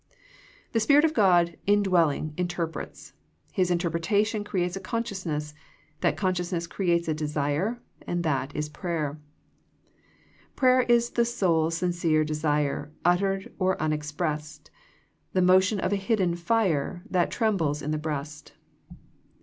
The Spirit of God indwelling interprets. His interpretation creates a consciousness. That con sciousness creates a desire, and that is prayer. / Prayer is the soul's sincere desire Uttered or unexpressed ; The motion of a hidden fire That trembles in the breast.